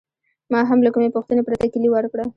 ما هم له کومې پوښتنې پرته کیلي ورکړه.